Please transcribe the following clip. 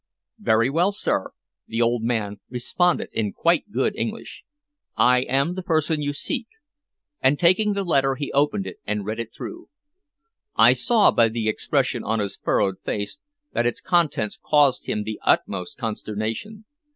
"Very well, sir," the old man responded in quite good English. "I am the person you seek," and taking the letter he opened it and read it through. I saw by the expression on his furrowed face that its contents caused him the utmost consternation.